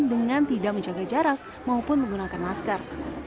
dengan tidak menjaga jarak maupun menggunakan masker